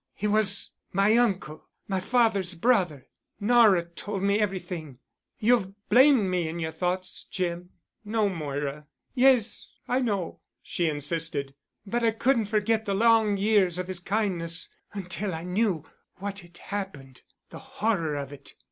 "He was—my uncle—my father's brother. Nora told me everything. You've blamed me in your thoughts, Jim——" "No, Moira——" "Yes, I know," she insisted, "but I couldn't forget the long years of his kindness—until I knew what—what had happened—the horror of it.